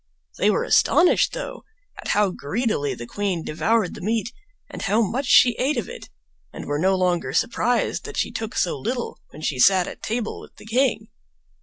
They were astonished, though, at how greedily the queen devoured the meat and how much she ate of it, and were no longer surprised that she took so little when she sat at table with the king.